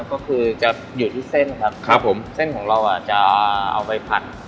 ก็คือจะอยู่ที่เส้นครับครับผมเส้นของเราอ่ะจะเอาไปผัด